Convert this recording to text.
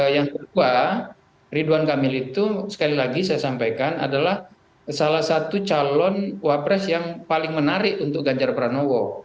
yang kedua ridwan kamil itu sekali lagi saya sampaikan adalah salah satu calon wapres yang paling menarik untuk ganjar pranowo